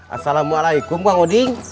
assalamualaikum bang uding